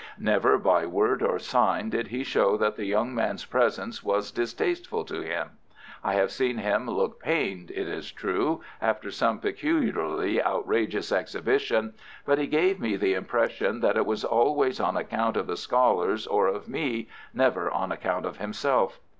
Never by word or sign did he show that the young man's presence was distasteful to him. I have seen him look pained, it is true, after some peculiarly outrageous exhibition, but he gave me the impression that it was always on account of the scholars or of me, never on account of himself.